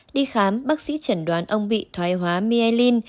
đi khám bác sĩ chẩn đoán ông bị thoái hóa miel